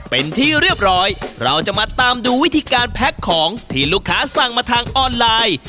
เป็นที่เรียบร้อยเราจะมาตามดูวิธีการแพ็คของที่ลูกค้าสั่งมาทางออนไลน์